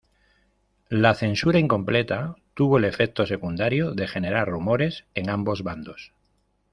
La censura incompleta tuvo el efecto secundario de generar rumores en ambos bandos.